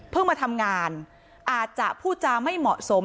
มาทำงานอาจจะพูดจาไม่เหมาะสม